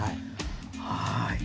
はい。